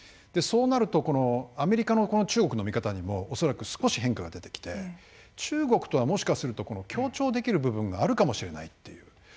そうなるとアメリカの中国の見方にも恐らく少し変化が出てきて中国とはもしかすると協調できる部分があるかもしれないという。